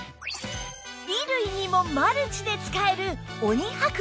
衣類にもマルチで使える鬼剥離の粉